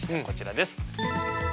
こちらです。